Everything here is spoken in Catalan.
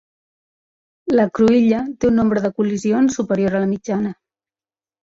La cruïlla té un nombre de col·lisions superior a la mitjana.